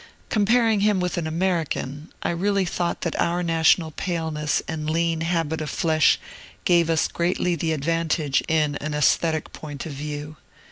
Comparing him with an American, I really thought that our national paleness and lean habit of flesh gave us greatly the advantage in an aesthetic point of view.